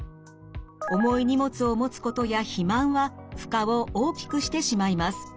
重い荷物を持つことや肥満は負荷を大きくしてしまいます。